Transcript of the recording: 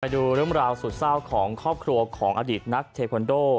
ดูเรื่องราวสุดเศร้าของครอบครัวของอดีตนักเทคอนโด